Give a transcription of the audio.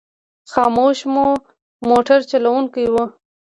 خاموش مو موټر چلوونکی و.